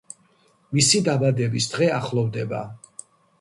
მისი დაბადების დღე ახლოვდება.